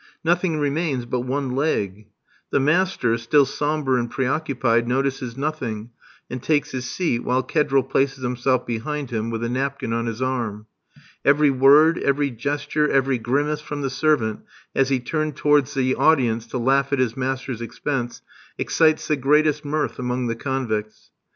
Nothing remains but one leg. The master, still sombre and pre occupied, notices nothing, and takes his seat, while Kedril places himself behind him with a napkin on his arm. Every word, every gesture, every grimace from the servant, as he turns towards the audience to laugh at his master's expense, excites the greatest mirth among the convicts.